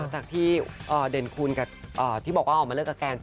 จากที่เด่นคูณกับที่บอกว่าออกมาเลิกกับแฟน